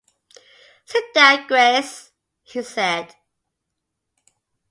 "Sit down, Grace," he said.